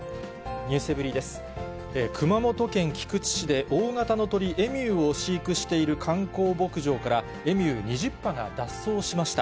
熊本県菊池市で、大型の鳥、エミューを飼育している観光牧場から、エミュー２０羽が脱走しました。